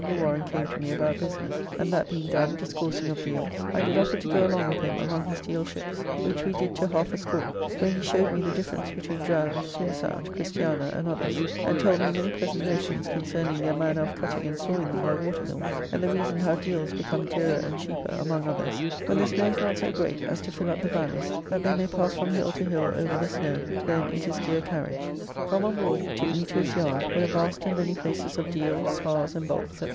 Warren came to me about business, and that being done, discoursing of deals, I did offer to go along with him among his deal ships, which we did to half a score, where he showed me the difference between Dram, Swinsound, Christiania, and others, and told me many pleasant notions concerning their manner of cutting and sawing them by watermills, and the reason how deals become dearer and cheaper, among others, when the snow is not so great as to fill up the values that they may pass from hill to hill over the snow, then it is dear carriage. From on board he took me to his yard, where vast and many places of deals, sparrs, and bulks, &c.